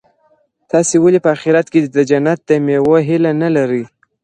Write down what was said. تاسي ولي په اخیرت کي د جنت د مېوو هیله نه لرئ؟